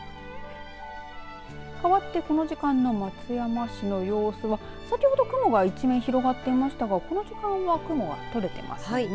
かわってこの時間の松山市の様子は先ほど雲が一面広がっていましたが、この時間は雲がとれていますね。